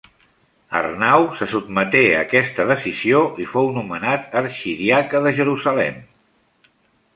Arnau se sotmeté a aquesta decisió i fou nomenat arxidiaca de Jerusalem.